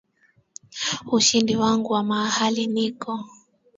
ushindi wangu wa mahali niko